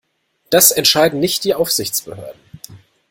Das entscheiden nicht die Aufsichtsbehörden.